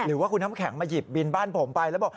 หรือว่าคุณน้ำแข็งมาหยิบบินบ้านผมไปแล้วบอก